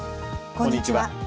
こんにちは。